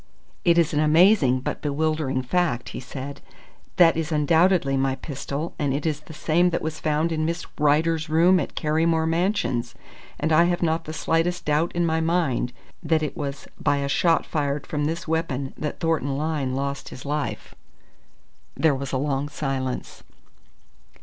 "It is an amazing but bewildering fact," he said. "That is undoubtedly my pistol, and it is the same that was found in Miss Rider's room at Carrymore Mansions, and I have not the slightest doubt in my mind that it was by a shot fired from this weapon that Thornton Lyne lost his life." There was a long silence.